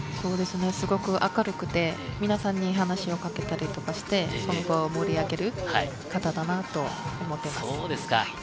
すごく明るくて、皆さんに話しかけたりとかして、その場を盛り上げる方だなと思っています。